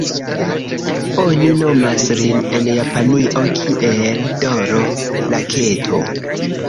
Oni nomas lin en Japanio kiel "D-ro Raketo".